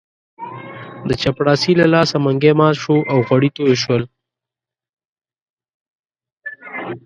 د چپړاسي له لاسه منګی مات او غوړي توی شول.